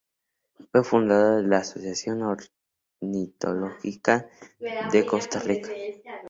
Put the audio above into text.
Fue fundador de la Asociación Ornitológica de Costa Rica.